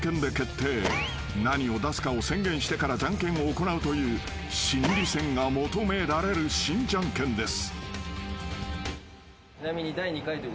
［何を出すかを宣言してからジャンケンを行うという心理戦が求められる新ジャンケンです］